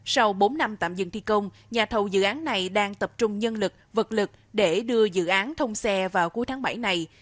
sau bốn năm tạm dừng thi công nhà thầu dự án này đang tập trung nhân lực vật lực để đưa dự án thông xe vào cuối tháng bảy này